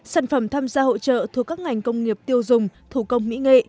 sản phẩm tham gia hội trợ thuộc các ngành công nghiệp tiêu dùng thủ công mỹ nghệ